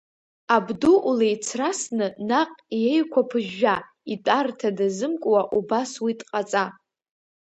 Абду улеицрасны, наҟ иеиқәа ԥыжәжәа, итәарҭа дазымкуа убас уи дҟаҵа!